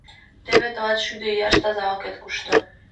Теве тылат шӱдӧ ияш тазалыкет кушто!